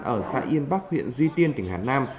ở xã yên bắc huyện duy tiên tỉnh hà nam